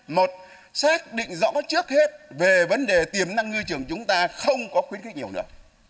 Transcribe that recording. một xác định rõ trước hết về vấn đề tiềm năng ngư trường chúng ta không có khuyến khích nhiều nữa